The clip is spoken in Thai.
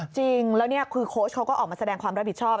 จริงแล้วนี่คือโค้ชเขาก็ออกมาแสดงความรับผิดชอบ